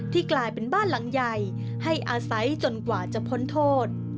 กลายเป็นบ้านหลังใหญ่ให้อาศัยจนกว่าจะพ้นโทษ